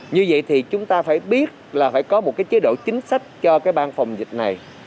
như vậy thì chúng ta phải biết là phải có một cái chế độ chính sách cho cái ban phòng dịch này